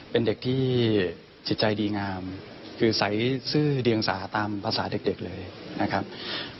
เป็นเด็กที่จิตใจดีงามคือใสซื่อเดียงสาตามภาษาเด็กเลยนะครับ